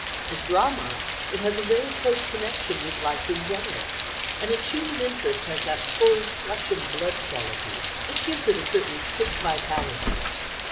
As drama it has a very close connection with life in general, and its human interest has that full flesh and blood quality which gives it a certain quick vitality.